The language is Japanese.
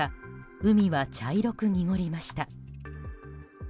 海は茶色く濁りました。